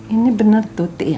ini benar tuh ti ya